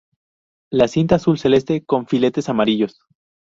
La cinta azul celeste con filetes amarillos.